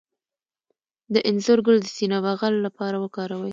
د انځر ګل د سینه بغل لپاره وکاروئ